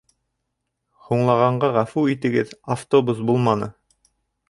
Һуңлағанға ғәфү итегеҙ, автобус булманы